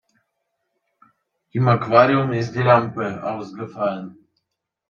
Im Aquarium ist die Lampe ausgefallen.